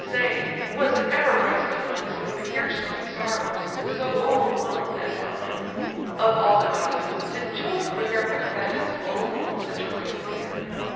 say, was ever breast divine So pierced with sorrows, so o'erwhelm'd as mine? Of all the goddesses, did Jove prepare For Thetis only such a weight of care?